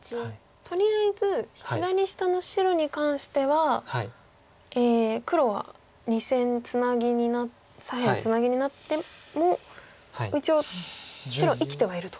とりあえず左下の白に関しては黒は２線ツナギに左辺ツナギになっても一応白生きてはいると。